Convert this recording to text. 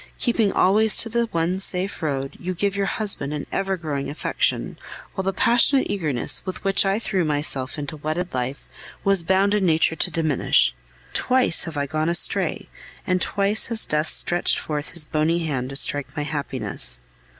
keeping always to the one safe road, you give your husband an ever growing affection; while the passionate eagerness with which I threw myself into wedded life was bound in nature to diminish. Twice have I gone astray, and twice has Death stretched forth his bony hand to strike my happiness.